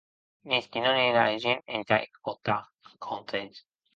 Mès que non ère era gent entà escotar conselhs!